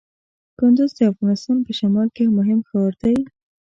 کندز د افغانستان په شمال کې یو مهم ښار دی.